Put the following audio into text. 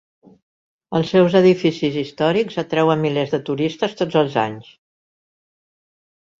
Els seus edificis històrics atreuen milers de turistes tots els anys.